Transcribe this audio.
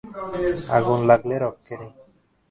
আগুন লাগলে রক্ষে নেই।